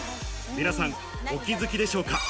皆さん、お気づきでしょうか？